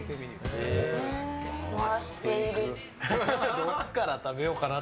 どこから食べようかな。